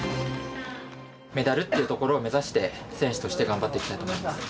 メダルっていうところを目指して選手として頑張っていきたいと思います。